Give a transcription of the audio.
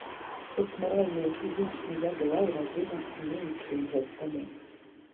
Хоць маральна і фізічна я была ў разы мацней, чым год таму.